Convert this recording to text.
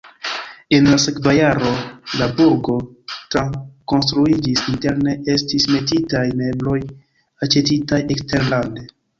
En la sekva jaro la burgo trakonstruiĝis, interne estis metitaj mebloj aĉetitaj eksterlande.